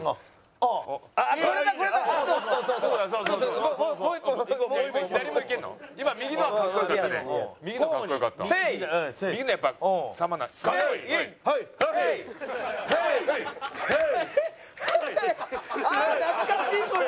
ああ懐かしいこれ！